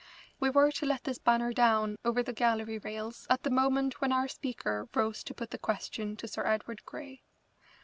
We were to let this banner down over the gallery rails at the moment when our speaker rose to put the question to Sir Edward Grey.